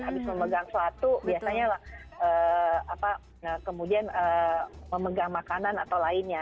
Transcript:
habis memegang suatu biasanya kemudian memegang makanan atau lainnya